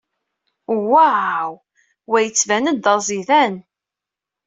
Waw! Wa yettban-d d aẓidan!